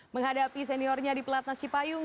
menghadapi seniornya di pelat nasi payung